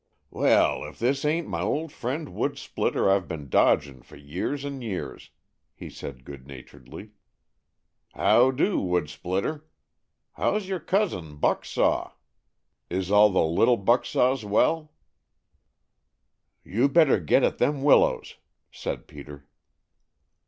"Well, if this ain't my old friend wood splitter I've been dodging for years and years," he said good naturedly. "How do, wood splitter? How's your cousin buck saw? Is all the little saw bucks well?" "You'd better get at them willows," said Peter.